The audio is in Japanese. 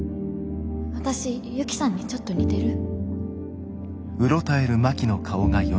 私ユキさんにちょっと似てる？